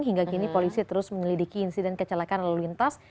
hingga kini polisi terus menyelidiki insiden kecelakaan lalu lintas